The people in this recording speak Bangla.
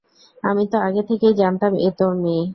আমি তো আগে থেকেই জানতাম এ তোর মেয়ে।